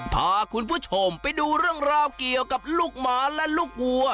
พาคุณผู้ชมไปดูเรื่องราวเกี่ยวกับลูกหมาและลูกวัว